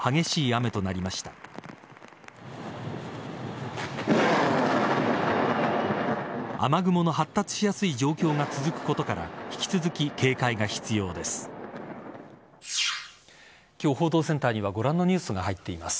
雨雲の発達しやすい状況が続くことから引き続き警戒が必要です。